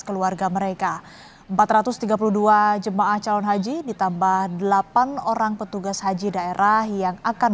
keluarga mereka empat ratus tiga puluh dua jemaah calon haji ditambah delapan orang petugas haji daerah yang akan